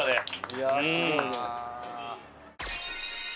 いやすごいね。